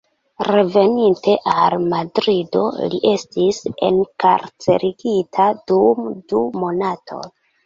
Reveninte al Madrido, li estis enkarcerigita dum du monatoj.